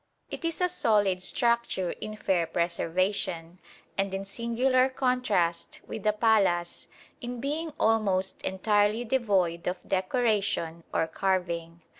It is a solid structure in fair preservation, and in singular contrast with the palace in being almost entirely devoid of decoration or carving.